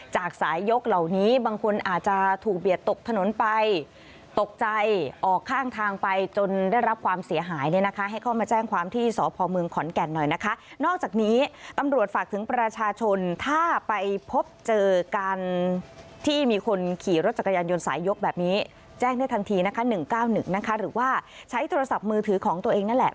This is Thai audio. แจ้งได้ทันที๑๙๑หรือว่าใช้โทรศัพท์มือถือของตัวเองนั่นแหละ